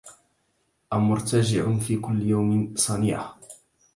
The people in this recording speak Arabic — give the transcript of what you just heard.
أمرتجع في كل يوم صنيعة